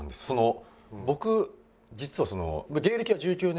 その僕実は。